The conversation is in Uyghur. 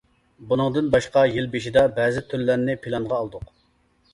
ئۇنىڭدىن باشقا يىل بېشىدا بەزى تۈرلەرنى پىلانغا ئالدۇق.